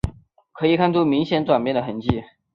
可以看出明显转变的痕迹